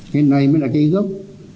cái này mới là cái gốc